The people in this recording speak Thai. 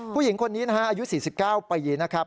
ผู้หญิงคนนี้นะฮะอายุ๔๙ปีนะครับ